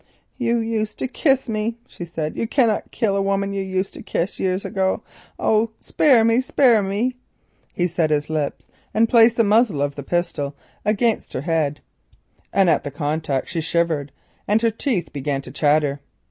"You used to kiss me," she said; "you cannot kill a woman you used to kiss years ago. Oh, spare me, spare me!" He set his lips and placed the muzzle of the pistol against her head. She shivered at the contact, and her teeth began to chatter.